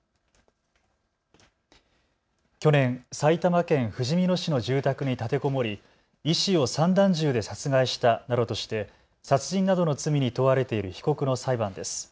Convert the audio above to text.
去年、埼玉県ふじみ野市の住宅に立てこもり、医師を散弾銃で殺害したなどとして殺人などの罪に問われている被告の裁判です。